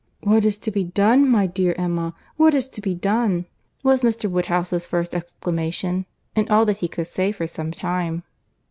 "What is to be done, my dear Emma?—what is to be done?" was Mr. Woodhouse's first exclamation, and all that he could say for some time.